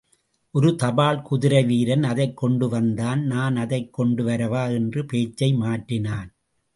ஒரு தபால் குதிரை வீரன் அதைக் கொண்டு வந்தான், நான் அதைக் கொண்டு வரவா? என்று பேச்சை மாற்றினான்.